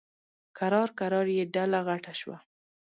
کرار کرار یې ډله غټه شوه.